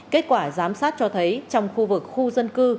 kết quả giám sát cho thấy trong khu vực khu dân cư